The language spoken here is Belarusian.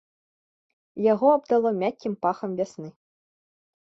Яго абдало мяккім пахам вясны.